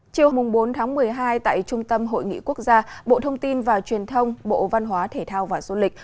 chiều bốn tháng một mươi hai tại trung tâm hội nghị quốc gia bộ thông tin và truyền thông bộ văn hóa thể thao và du lịch